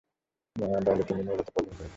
দলে তিনি মূলতঃ বোলিং করে থাকেন।